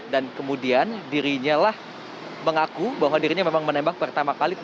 dan kemudian dirinya lah mengaku bahwa dirinya memang menembak pertama kali